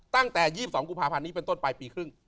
ตั้งแต่๒๒กุมภาพันธ์นี้เป็นต้นปลายปีครึ่ง